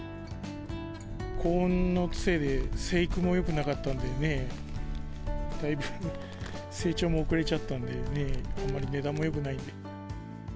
高温のせいで、生育もよくなかったんでね、だいぶ成長も遅れちゃったんでね、あんまり値段もよくないんで。